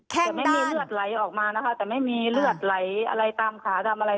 แต่ไม่มีเลือดไหลออกมานะคะแต่ไม่มีเลือดไหลอะไรตามขาตามอะไร